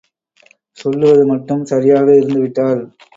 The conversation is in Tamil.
சொல்லுவது மட்டும் சரியாக இருந்துவிட்டால்...?